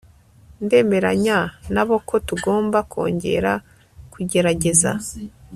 ndemeranya nabo ko tugomba kongera kugerageza